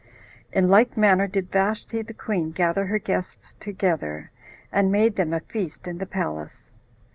In like manner did Vashti the queen gather her guests together, and made them a feast in the palace.